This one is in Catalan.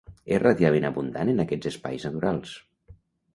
És relativament abundant en aquests espais naturals.